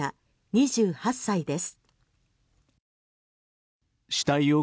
２８歳です。